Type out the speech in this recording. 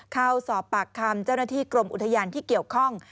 เข้าสอบปากคำเจ้าหน้าที่กรมอุทยานที่เกี่ยวข้อง